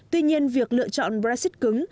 tuy nhiên việc lựa chọn brexit cứng